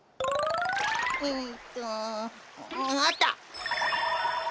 んっとあった！